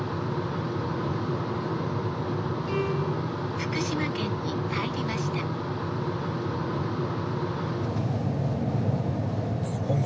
福島県に入りましたホンマ